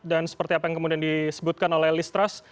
dan seperti apa yang kemudian disebutkan oleh listras